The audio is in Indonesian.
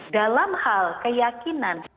dalam hal keyakinan